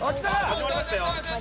始まりましたよ。